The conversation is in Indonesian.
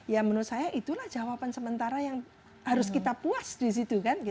ya menurut saya itulah jawaban sementara yang harus kita puas di situ kan